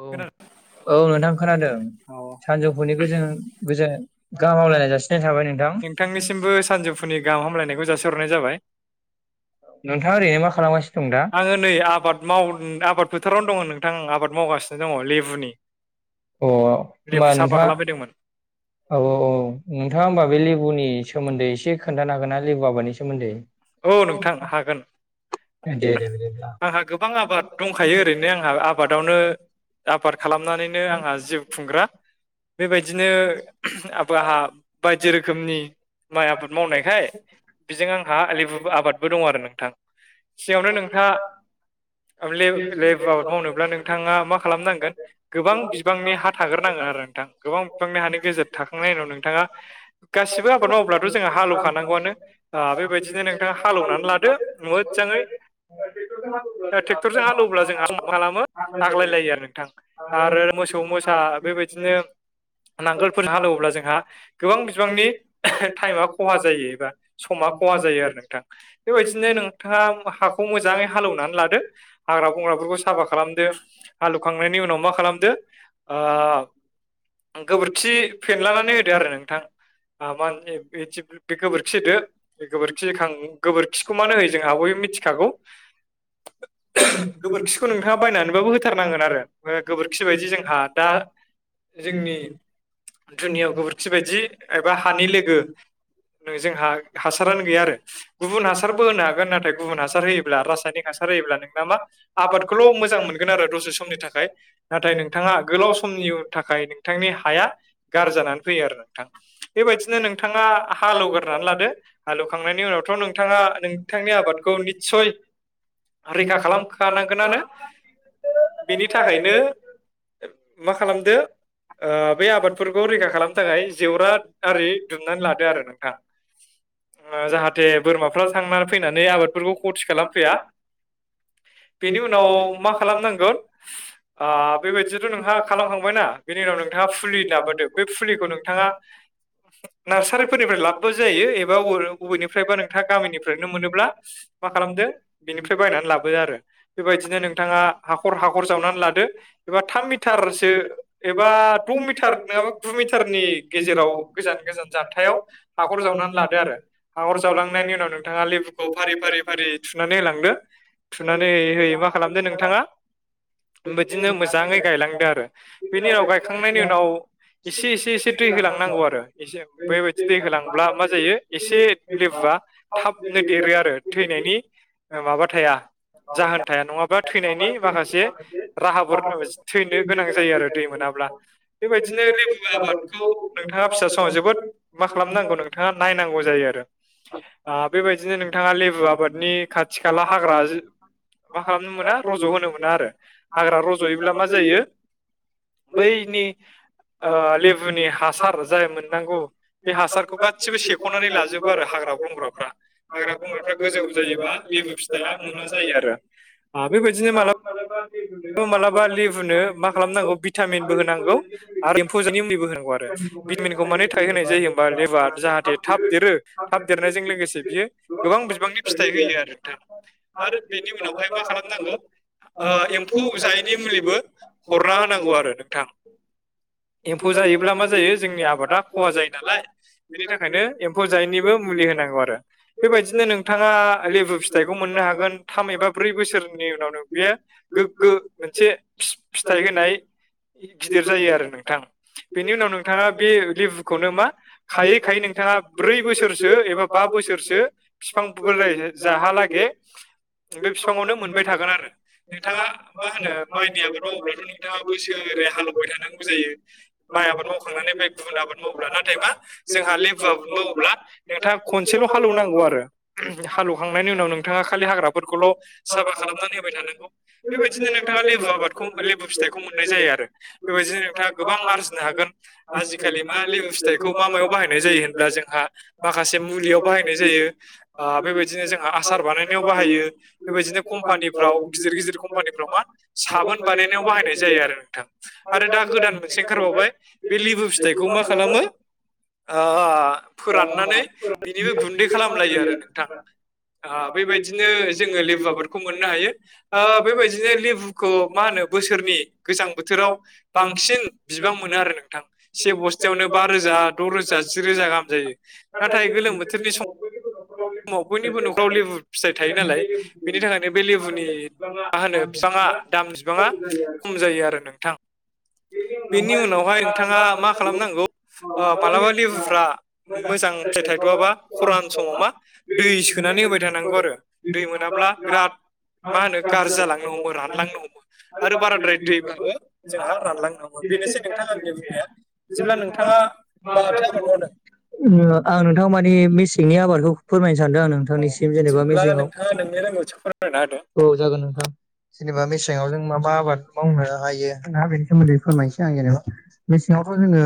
औ औ नोंथां खोनादों। औ सानजौफुनि गोजो-गोजोन गाहामलायनाय जासिनाय थाबाय नोंथां। सानजोफुनि गाहाम हामलायनाय हरनाय जाबाय। नोंथाङा ओरैनो मा खालामगासिनो दं दा आङो नै आबाद माव आबाद फोथारावनो दङ नोंथां आबाद मावगासिनो दङ लेबुनि अ लेबु होमबा साफा नोंथाङा खालामफैदोंमोन औ औ नोंथाङा होमबा बे लेबुनि सोमोन्दै एसे खोन्थानो हागोन ना लेबु आबादनि सोमोन्दै औ नोंथां हागोन। दे दे बिदिब्ला आंहा गोबां आबाद दंखायो ओरैनो आंहा आबादावनो आबाद खालामनानैनो आंहा जिउ खुंग्रा। बेबायदिनो आबो आंहा बायदि रोखोमनि माइ आबाद मावनायखाय बेजों आंहा आ लेबु आबादबो दं आरो नोंथां सिंगावनो नोंथा लेब-लेबु आबाद मावनोब्ला नोंथाङा मा खालामनांगोन गोबां बिबांनि हा थाग्रोनांगोन आरो। नोंथां गोबां बिफांनि हानि गोेजेर थाखांनायनि उनाव नोंथाङा गासिबो आबाद मावब्लाथ' जों हालौखानांगोन। गोन आ बे बायदिनो नों ना हालौनानै लादओ मोजाङै टेकटर जों हालेवोब्ला जों मा खालामो आग्लायलायो आरो ना आरो मोसौ मोसा बेबायदिनो नांगोलफोरनो हालेवोब्ला जोंहा गोबां बिबांनि टाइमा खहा जायो एबा समा खहा जायो आरो नोंथां बेबायदिनो नोंथाङा हाखौ मोजाङै हालेवनानै लादो। हाग्रा बंग्राफोरखौ साफा खालामदो हालौवखांनायनि उनाव मा खालामदो ओ- गोबोरखि फेनलानानै होदो आरो नोंथां। ओ मा होनो बे गोबोरखिदो बे गोबोरखि गोबोरखिखौ मानो होयो जोंहा बयबो मिथिखागौ। गोबोरखिखौ नोंथाङा बायनानैबाबो होथारनांगोन आरो गोबोरखि बायदि जोंहा दा जोंनि दुनियाव गोबोरखि बायदि एबा हानि लोगो नों जोंहा हासारानो गैया आरो। गुबुन हासारबो होनो हागोन नाथाय गुबुन हासार होयोब्ला रासायनिक हासार जायोब्ला नोंना मा आबादखौल' मोजां मोनगोन आरो दसे समनि थाखाय नोंथाङा गोलाव समनि [unintelligible] थाखाय नोंथांनि हाया गारजिजानानै फैयो आरो नोंथां बेबायदिनो नोंथाङा हालौ [unintelligible] लादो हालौवखांनायनि उनावथ' नोंथाङा नोंथांनि आबादखौ निसय। रैखा खालामखानांगोनानो बेनि थाखायनो। [unintelligible] मा खालामदो। ओ बे आबादफोरखौ रैखा खालामनो थाखाय जेवराद आरि दुमनानै लादो आरो नोंथां। [unintelligible] ओ जाहाथे बोरमाफ्रा थांनानै फैनानै आबादफोरखौ खथि खालामफैया। [inaudible] बेनि उनाव मा खालामनांगौ आ बेबायदिथ' बेबादिनो नोंहा नोंथाङा खालामखांबायना बेनि [unintelligible] [unintelligible] उनाव नोंथाङा फुलि होनना बोदो बे फुलिखौ नोंथाङा नोंथाङा नादसारिफोरनिफाय लाबोबानो जायो। बबेनिफ्राय? बो नोंथाङा गामिनिफ्रायनो मोनोब्ला मा खालामदो बेनिफ्राय बायनानै लाबोदो आरो बेबायदिनो नोंथां। आ हाखर-हाखर जावनानै लादो एबा थाम मिटारसो एबा द' मिटार नङाबा। गु मिटारनि गेजेराव गोजान-गोजान जथायाव हाखर जावनानै लादो आरो। जावलांनायनि उनाव नोंथाङा लेबुखौ फारि-फारि फारियै थुनानै लांदो। थुनानै होयै-होयै मा खालामदो नोंथाङा बिदिनो मोजाङै गायलांदो आरो बेनि उनाव गायखांनायनि उनाव। एसे-एसे-एसे दै होलांनांगौ आरो एसे बेबायदि दै होलांब्ला मा जायो एसे लेबुआ थाबनो देरो आरो थैनायनि ओ माबा थाया। जाहोन थाया नङाबा थैनायनि माखासे राहाफोर [unintelligible] थैनो गोनां जायो आरो दै। मोनाब्ला बेबायदिनो लेबु आबादखौ नोंथाङा फिसा समाव जोबोद मा खालामनांगौ नोंथाङा। [unintelligible] नायनांगौ जायो आरो आ बेबायदिनो नोंथाङा लेबु आबादनि खाथि खाला हाग्रा ग्राजो। मा खालामनो मोना रज' होनो मोना आरो हाग्रा रज'योब्ला मा जायो बैनि। ओ लेबुनि हासार जाय मोननांगौ बे हासारखौ गासोबो सेख'नानै लाजोबो आरो। हाग्रा- बंग्राफ्रा हाग्रा- बंग्राफ्रा गोजौ जायोबा लेबु। [unintelligible] ओ लाब मोना जायो आरो आ बेबायदिनो मालाबा उं मालाबा लेबुनो मा खालामनांगौ भिटामिनबो होनांगौ आरो एम्फौ जोनि मुलिबो होनांगौ आरो। [inaudible] माने थाय होनाय जायो होमबा लेबुवा जाहाथे थाब देरो थाब देरनायजों लोगोसे बियो। गोबां बिबांनि फिथाइ होयो आरो नोंथां। आरो बेनि उनावहाय मा खालामनांगौ ओ एम्फौ खौ जायैनि मुलिबो हरना होनांगौ आरो नोंथां। एम्फौ जायोब्ला मा जायो जोंनि आबादा खहा जायो नालाय। बेनि थाखायनो एम्फौ जायैनिबो मुलि होनांगौ आरो। बेबायदिनो नोंथाङा लेबु फि फिथाइखौ मोननो हागोन थाम एबा ब्रै बोसोरनि उनावनो बे गोग्गो मोनसे फि- फिथाइ होनाय एसे गिदिर जायो आरो नोंथां। बेनि उनाव नोंथाङा बे लेबुखौनो मा खायै-खायै नों थाङा ब्रै बोसोरसो एबा बा बोसोरसो बिफां बोराय जाहालागै बे बिफाङावनो मोनबाय थागोन आरो नोंथाङा। मा होनो माइनि आबाद मावोब्लाथ' नोंथाङा [unintelligible] हालौवबाय थानांगौ जायो माइ आबाद मावखांनानै बे बे गुबुन आबाद मावोब्ला नाथाय मा जोंहा लेबु आबाद मावोब्ला नोंथाङा खनसेल' हालौवनांगौ आरो [unintelligible] हालौवखांनायनि उनाव नोंथाङा खालि हाग्राफोरखौल' साफा खालामनानै होबाय थानांगौ। बेबायदिनो नोंथाङा लेबु आबादखौ लेबु फिथाइखौ मोननाय जाया आरो बेबायदिनो नोंथाङा गोबां आरजिनो हागोन। आजिखालि मा लिबु फिथाइखौ मा मायाव बाहायनाय जायो होनब्ला जोंहा माखासे मुलियाव बाहायनाय जायो। यो आ बेबायदिनो जोंहा आसार बानायनायाव बाहायो बेबायदिनो कम्पानिफ्राव गिदिर गिदिर कम्पानिफ्राव मा साबोन बानायनायाव बाहायनाय जायो आरो नोंथां आरो दा गोदान मोनसे ओंखारबावबाय। बे लिबु फिथाइखौ मा खालामो ओ फोराननानै बिनिबो गुन्दै खालामलायो आरो नोंथां ओ बेबायदिनो जोङो लेबु आबादखौ मोननो हायो। आ बेबायदिनो लेबुखौ मा होनो बोसोरनि गोजां बोथोराव बांसिन बिबां मोनो। नो आरो नोंथां से बस्थायावनो बा रोजा द' रोजा जि रोजा गाहाम जायो नाथाय गोलोम बोथोरनि सम समाव बयनिबो न'खराव लेबु फिथाइ थायो नालाय बिनि थाखायनो बे लेबुनि मा होनो फिफाङा दामनिज बिबाङा खम खम जायो आरो नोंथां। बेनि उनावहाय नोंथाङा मा खालामनांगौ ओ मालाबा लेबुफ्रा उम मोजां फिथाइ थाइद'आबा खरान समाव मा दै सोनानै होबाय थानांग नंगौ आरो दै मोनाब्ला बिराद मा होनो गारज‌ जालांनो हमो रानलांनो हमो आरो बाराद्राय दैब्लाबो जोंहा रानलांनो हमो। बेनोसै नोंथां आंनि बुंनाया बिदिब्ला नोंथाङा माथो आबाद मावदों? उम ओ आं नोंथां माने मेसेंनि आबादखौ फोरमायनो सानदों आं अ नोंथांनिस ओ जेनेबा बिदिब्ला मेसेङाव नोंथाङा नोंनि रोंगौथिखौ फोरमायना होदो औ जागोन नोंथां जेनेबा मेसेङाव जों माबा आबाद मावनो हायो ना बेनि सोमोन्दै फोरमायनोसै आं जेनेबा मेसेङावथ' जोङो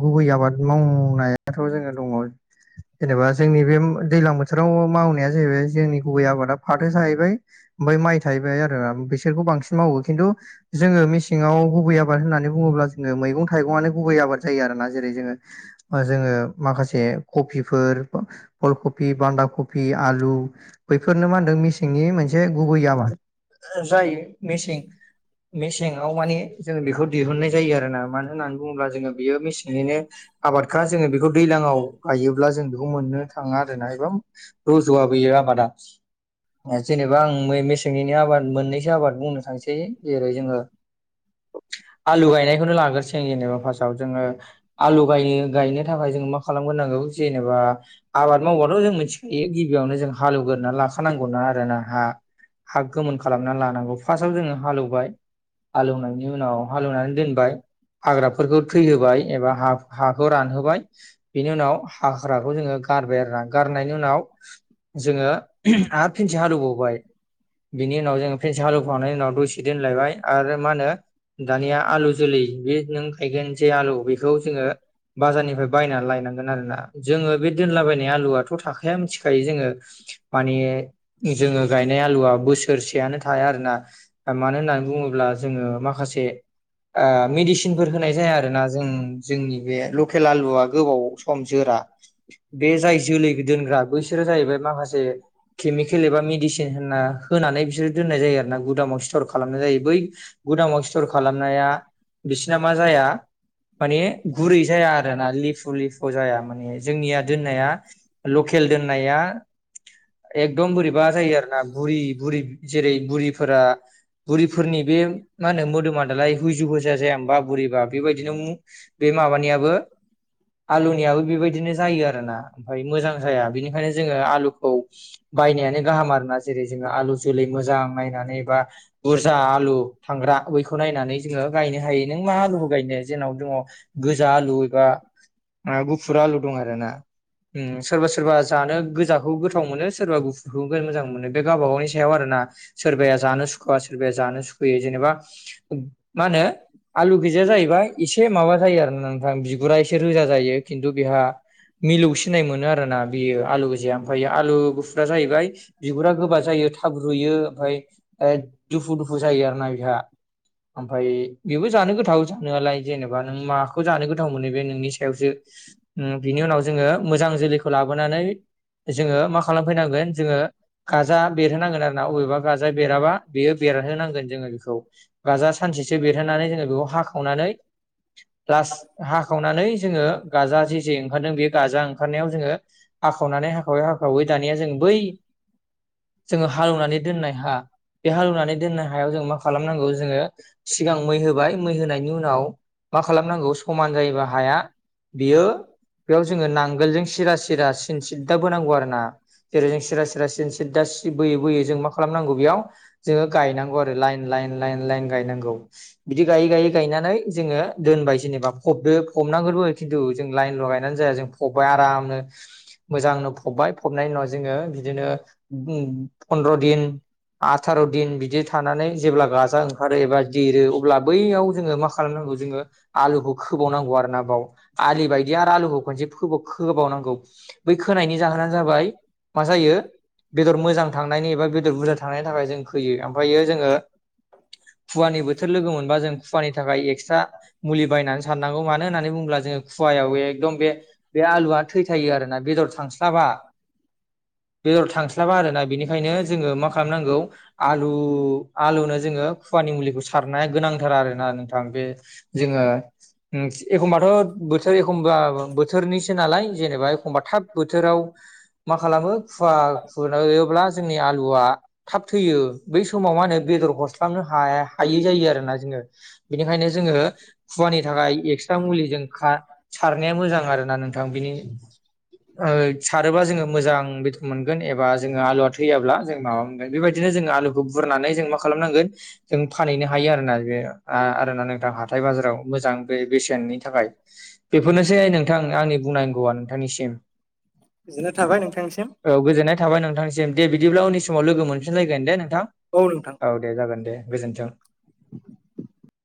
गुबै आबाद बाद मावनायाथ' जोङो दङ जेनेबा जोंनि बे उम ओ दैलां बोथोराव मावनाया जाहैबाय जोंनि गुबै आबादा फाथो जाहैबाय ओमफाय माइ थाहैबाय आरो बिसोरखौ बांसिन मावो खिन्थु जोङो मेसेङाव गुबै आबाद होननानै बुङोब्ला जो ङो मैगं थाइगङानो गुबै आबाद जायो आरोना जेरै जोङो ओ जोङो माखासे कफिफोर [unintelligible] फुलकफि, बान्दाखफि आलु बैफोरनो मा होनदों मेसेंनि मोनसे गुबै आबाद। ओ जायो मेसें मेसेंङाव माने जों बेखौ दिहुननाय जायो आरोना मानो होननानै बुङोब्ला जोङो बेयो मेसेंनिनो आबादखा जोङो बेखौ दैलाङाव गायोब्ला जों बेखौ मोननो थाङा आरोना एबाम रज'आ बेयो आबादा ओ जेनेबा आं बे मेसेंनिनि आबाद मोननैसो आबाद बुंनो थांसै जेरै जोङो [unintelligible] आलु गायनायखौनो लाग्रोसिनोसै आं जेनेबा फार्स्टआव जोङो आलु गाय गायनो थाखाय जों मा खालामग्रोनांगौ जेनेबा आबाद मावबाथ' जों मिथिख ए गिबियावनो जों हाल एवग्रोना लाखानांगौ ना आरो ना हा हा गोमोन खालामना लानांगौ फार्स्टाव जोङो हाल एवबाय हाल एवनायनि उनाव हाल एवनानै दोनबाय। हाग्राफोरखौ थैहोबाय एबा हाख हाखौ रानहोबाय बेनि उनाव हाग्राखौ जोङो गारबाय आरोना गारनायनि उनाव जोङो आरो फिन्से हाल एवबावबाय। बिनि उनाव जोङो फिनसे हाल एवखांनायनि उनाव दसे दोनलायबाय आरो मा होनो दानिया आलु जोलै बे नों गायगोन जे आलु बेखौ जोङो बाजारनिफ्राय बायनानै लायनांगोन आरोना जोङो बे दोनलाबायनाय आलुआथ' थाख खाया मिथिखायो जोङो माने जोङो गायनाय आलुवा बोसोरसेयानो थाया आरोना मानो होननानै बुङोब्ला जोङो माखासे ओ मेडिसिनफोर होनाय जाया आरोना जों जोंनि बे लकेल आलुआ गोबाव सम जोरा। बे जायस दोनग्रा बैसोरो जाहैबाय माखासे केमिकेल एबा मेडिसिन होनना होनानै बिसोरो दोननाय जायो आरो ना गुदामाव स्थर खालामनाय जायो बै गुदामाव स्थर खालामनाया बिसिना मा जाया माने गुरै जाया आरोना लिफु लिफु जाया माने जोंनिया दोननाया लकेल दोननाया एकदम बोरैबा जायो आरो ना बुरि बुरि जेरै बुरिफोरा बुरिफोरनि बे मा होनो मोदोमा दालाय हुइजु हुइजा जाया होनबा बुरिबा बेबायदिनो बे माबानियाबो आलुनियाबो बेबायदिनो जायो आरो ना ओमफाय मोजां जाया बेनिखायनो जोङो आलुखौ बायनायानो गाहाम आरोना जेरै जोङो आलु जोलै मोजां नायनानै बा बुरजा आलु थांग्रा बैखौ नायनानै जों गायनो हायो नों मा आलुखौ गायनो बिदिनो जोंनाव दङ गोजा आलु एबा गुफुर आलु दं आरोना ओम सोरबा सोरबा जानो गोजाखौ गोथाव मोनो सोरबा गुफुरखौ मोजां मोनो। बे गावबा गावनि सायाव आरोना सोरबाया जानो सुखुवा सोरबाया जानो सुखुयो जेनेबा मा होनो आलु गैजाया जाहैबाय एसे माबा जायो आरो नोंथां बि गुरासे रोजा जायो खिन्थु बेहा मिलौ सिननाय मोनो आरोना बेयो आलु गोजाया ओमफाय आलु गुफुरा जाहैबाय बिगुरा गोबा जायो थाब रुइयो ओमफाय ओ दुफु दुफु जायो आरो ना बेहा ओमफाय बेबो जानो गोथाव जानोलाय जेनेबा नों माखौ जानो गोथाव मोनो बे नोंनि सायावसो ओम बिनि उनाव जोङो मोजां जोलैखौ लाबोनानै जोङो मा खालामफैनांगोन जोङो गाजा बेरहोनांगोन आरोना अबेबा गाजा बेराबा बेयो बेरहोनांगोन जोङो बेखौ गाजा सानसेसो बेरहोनानै जोङो बेखौ हाखावनानै लास हाखावनानै जोङो गाजा जे जे ओंखारदों बेयो गाजा ओंखारनायाव जोङो आाखावनानै हाखावै हाखावै दानिया जों बै जोङो हालेवनानै दोननाय हा बे हालेवनानै दोननाय हायाव जों मा खालामनांगौ जोङो सिगां मै होबाय मै होनायनि उनाव मा खालामनांगौ समान जायोबा हाया बियो बेयाव जोङो नां जों सिरा सिरा सिन सिददा बोनांगौ आरोना। जेरै जों सिरा सेरा सिदा सि बोयै बोयै जों मा खालामनांगौ बेयाव जोङो गायनांगौ आरो लाइन ला इन लाइन लाइन गायनांगौ बिदि गायै गायै गायनानै जो ङो दोनबाय जेनेबा फबदो फबनांगोनबो खिन्थु जों लाइनल' गायनानै जाया जों फबबाय आरामनो मोजांनो फबबाय फबनायनि उनाव जोङो बिदिनो फन्द्र' दिन आथार' दिन बिदि थानानै जेब्ला गाजा ओंखारो एबा देरो अब्ला बैयाव जोङो मा खालामनां गौ जोङो आलुखौ गोबाव नांगौ आरो ना बाव आलि बायदि आरो आलुखौ खनसे खोबाव खोबावनांगौ बै खोनायनि जाहोनानो जाबाय मा जायो बेदर मोजां थांनायनि एबा बेदर बुरजा थांनायनि थाखाय जों खोयो ओमफायो जोङो खुवानि बोथोर लोगो मोनबा जों खुवानि थाखाय एक्सट्रा मुलि बायनानै साननांगौ मानो होननानै बुङोब्ला जोङो खुवायाव एकदम बे बे आलुआ थैथायो आरोना बेदर थांस्लाबा बेदर थांस्लाबा आरोना बेनिखायनो जोङो मा खालामनांगौ आलु आलुनो जोङो खुवा आनि मुलिखौ सारनाया गोनांथार आरो ना नोंथा। ओ बे जोङो उम एखमबाथ' बोथोर एखमबाबो बोथोरनिसो नालाय जेनेबा एखमबा थाब बोथोराव मा खालामो खुवा खुयोब्ला जोंनि आलुआ थाब थैयो बै समाव मा होनो बेदर हरस्लाबनो हाया हायै जायो आरोना जोङो बिनिखायनो जोङो खुवानि थाखाय एक्सट्रा मुलिजों खा सारनाया मोजां आरो ना नोंथां बिनि ओ सारोब्ला जोङो मोजां बेदर मोनगोन एबा जोङो आलुवा थैयाब्ला जों माबा मोनगोन बेबायदि नो जोङो आलुखौ बुरनानै जों मा खालामनांगोन जों फानहैनो हायो आरोना बेयो आ रोना नोंथां हाथाय बाजाराव मोजां बे-बेसेननि थाखाय बेफोरनोसै नों थां आंनि बुंनांगौआ नोंथांनिसिम गोजोननाय थाबाय नोंथांनिसिम औ गोजोननाय थाबाय नोंथां सिम दे बिदिब्ला उननि समाव लोगो मोनफिनलायगोन दे नोंथां औ नोंथां औ दे जागोन दे गोजोन्थों।